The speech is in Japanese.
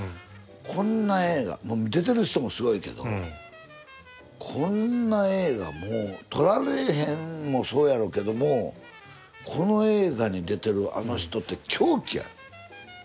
こんな映画出てる人もすごいけどこんな映画もう撮られへんもそうやろうけどもこの映画に出てるあの人って狂気やん。